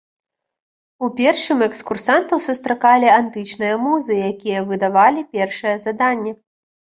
У першым экскурсантаў сустракалі антычныя музы, якія выдавалі першае заданне.